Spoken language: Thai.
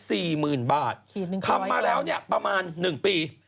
ขีด๑๐๐บาททำมาแล้วเนี่ยประมาณ๑ปี